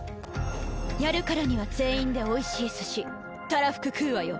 やるからには全員でおいしい寿司たらふく食うわよ。